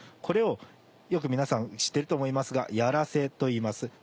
これをよく皆さん知ってると思いますが「やらせ」といいます。